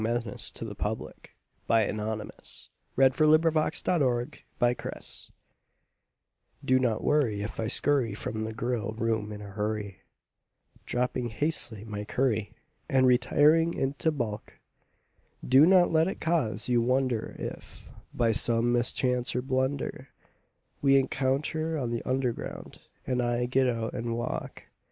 182 SUCH NONSENSE! CUPID'S DARTS (Which are a growing menace to the public) Do not worry if I scurry from the grill room in a hurry, Dropping hastily my curry and re tiring into balk ; Do not let it cause you wonder if, by some mischance or blunder, We encounter on the Underground and I get out and walk.